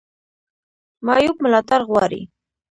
معیوب ملاتړ غواړي